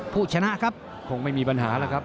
ผู้ชนะครับคงไม่มีปัญหาแล้วครับ